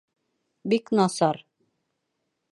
Бик насар!